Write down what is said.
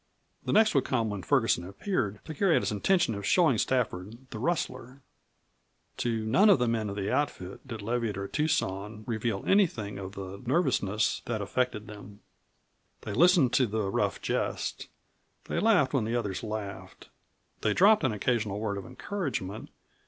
The next would come when Ferguson appeared, to carry out his intention of showing Stafford the rustler. To none of the men of the outfit did Leviatt or Tucson reveal anything of the nervousness that affected them. They listened to the rough jest, they laughed when the others laughed, they dropped an occasional word of encouragement.